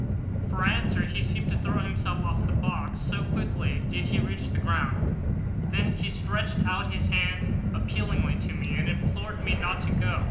For answer he seemed to throw himself off the box, so quickly did he reach the ground. Then he stretched out his hands appealingly to me, and implored me not to go.